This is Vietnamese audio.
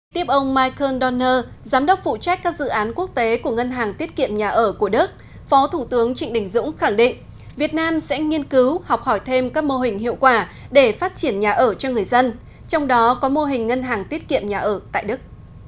tiếp ông michael donner giám đốc phụ trách các dự án quốc tế của ngân hàng tiết kiệm nhà ở của đức phó thủ tướng trịnh đình dũng khẳng định việt nam sẽ nghiên cứu học hỏi thêm các mô hình hiệu quả để phát triển nhà ở cho người dân trong đó có mô hình ngân hàng tiết kiệm nhà ở tại đức